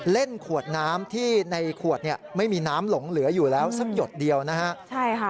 เล่นขวดน้ำที่ในขวดเนี่ยไม่มีน้ำหลงเหลืออยู่แล้วสักหยดเดียวนะฮะใช่ค่ะ